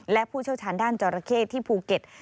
และผู้เชี่ยวชาญด้านจราเข้ที่ภูเก็ต